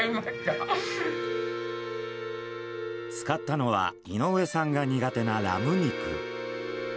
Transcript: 使ったのは井上さんが苦手なラム肉。